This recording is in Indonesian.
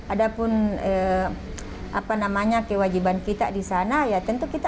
ada pun kewajiban kita di sana ya tentu kita